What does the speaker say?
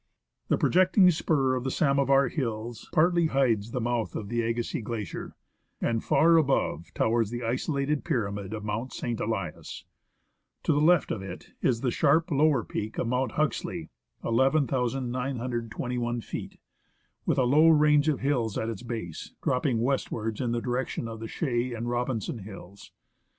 The projecting spur of the Samovar Hills partly hides the mouth of the Agassiz Glacier ; and far above towers the isolated pyramid of Mount St. Elias. To the left of it is the sharp lower peak of Mount Huxley (11,921 feet), with a low range of hills at its base dropping westwards in the direction of the Chaix and Robinson Hills.